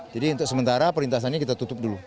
jadi untuk sementara perlintasannya kita tutup dulu